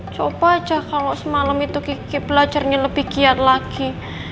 coba aja kalau semalam itu kiki belajarnya lebih giat lagi